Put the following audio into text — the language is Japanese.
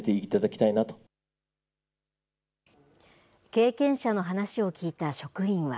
経験者の話を聞いた職員は。